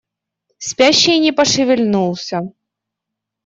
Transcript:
Спящий не пошевельнулся.